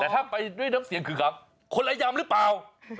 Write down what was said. แต่ถ้าไปด้วยน้ำเสียงขือขำคนละยำหรือเปล่า